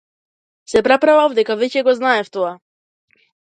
Се преправав дека веќе го знаев тоа.